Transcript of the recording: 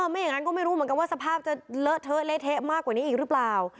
ไม่อย่างนั้นก็ไม่รู้เหมือนกันว่าสภาพจะเลอะเทอะเละเทะมากกว่านี้อีกหรือเปล่า